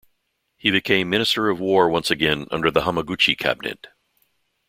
He became Minister of War once again under the Hamaguchi cabinet.